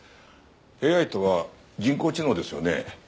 ＡＩとは人工知能ですよね？